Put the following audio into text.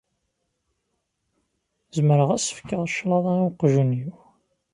Zemreɣ ad s-fkeɣ cclaḍa i uqjun-iw?